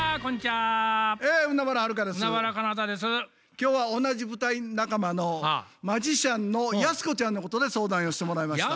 今日は同じ舞台仲間のマジシャンのヤスコちゃんのことで相談寄してもらいました。